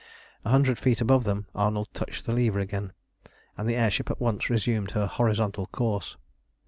A hundred feet above them Arnold touched the lever again, and the air ship at once resumed her horizontal course.